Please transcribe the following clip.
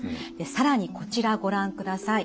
更にこちらご覧ください。